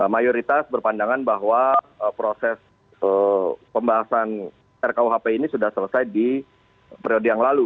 mayoritas berpandangan bahwa proses pembahasan rkuhp ini sudah selesai di periode yang lalu